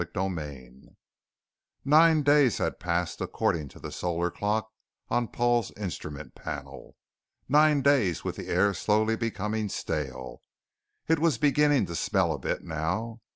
CHAPTER 12 Nine days had passed according to the Solar clock on Paul's instrument panel. Nine days with the air slowly becoming stale. It was beginning to smell a bit, now.